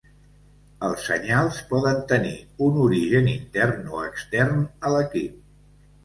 Els senyals poden tenir un origen intern o extern a l'equip.